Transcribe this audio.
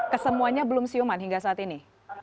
kesemuanya belum siuman hingga saat ini